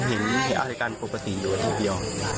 เห็นอะไรกันปกติอยู่อาทิตย์เดียว